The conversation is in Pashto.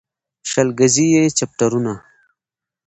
شل ګزي يې چپټرونه